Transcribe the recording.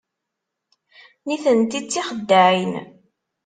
Nitenti d tixeddaɛin.